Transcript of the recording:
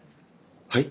はい？